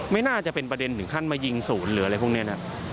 ไม่น่าจะเป็นประเด็นถึงขั้นมายิงศูนย์หรืออะไรพวกนี้นะ